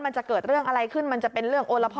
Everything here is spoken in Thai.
มันจะเกิดเรื่องอะไรขึ้นมันจะเป็นเรื่องโอละพอ